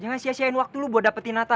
jangan sia siain waktu lo buat dapetin nathan